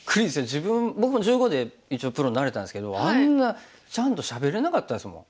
自分僕も１５で一応プロになれたんですけどあんなちゃんとしゃべれなかったですもん。